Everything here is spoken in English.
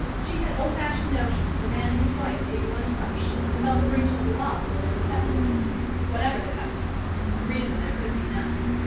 She had old fashioned notions of a man and his wife being one flesh, and felt a breach of the law where they were separated, whatever the custom reason there could be none.